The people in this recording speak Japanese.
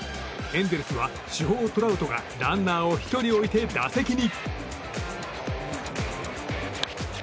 エンゼルスは主砲トラウトがランナーを１人置いて打席に。